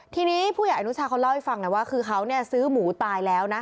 ทีนี้ผู้ใหญ่อนุชาเขาเล่าให้ฟังนะว่าคือเขาซื้อหมูตายแล้วนะ